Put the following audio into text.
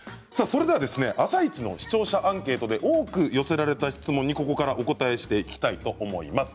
「あさイチ」の視聴者アンケートで多く寄せらた質問にここからお答えしていきたいと思います。